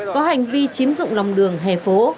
có hành vi chiếm dụng lòng đường hè phố